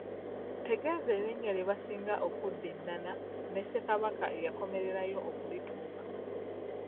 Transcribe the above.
Tegeeza erinnya lye baasinga okuddinnana, ne Ssekabaka eyakomererayo okulituuma.